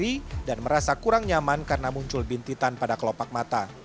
atau sudah berada di lirik dan merasa kurang nyaman karena muncul bintitan pada kelopak mata